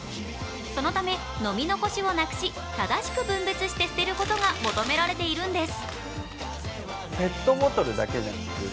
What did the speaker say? そのため、飲み残しをなくし正しく分別して捨てることが求められているんです。